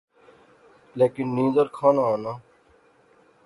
لیکن نیندر کھانا آناں